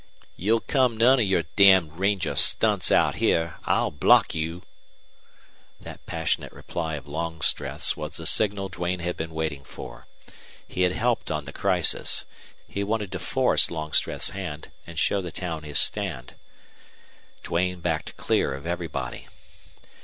"You'll come none of your damned ranger stunts out here. I'll block you." That passionate reply of Longstreth's was the signal Duane had been waiting for. He had helped on the crisis. He wanted to force Longstreth's hand and show the town his stand. Duane backed clear of everybody.